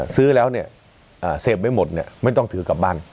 ซื้อแล้วเนี่ยเสพไม่หมดเนี่ยไม่ต้องถือกลับบ้าน